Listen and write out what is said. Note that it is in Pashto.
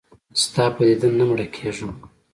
ستا په دیدن نه مړه کېږم.